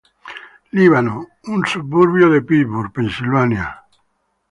Líbano, un suburbio de Pittsburgh, Pennsylvania.